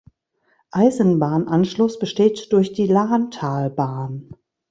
Eisenbahnanschluss besteht durch die Lahntalbahn.